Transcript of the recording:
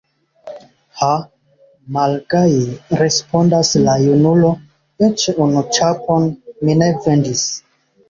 Ha, malgaje respondas la junulo, eĉ unu ĉapon mi ne vendis!